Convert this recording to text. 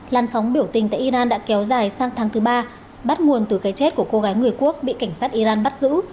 làn sóng biểu tình tại iran đã kéo dài sang tháng thứ ba bắt nguồn từ cái chết của cô gái người quốc bị cảnh sát iran bắt giữ